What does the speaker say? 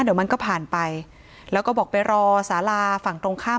เดี๋ยวมันก็ผ่านไปแล้วก็บอกไปรอสาราฝั่งตรงข้าม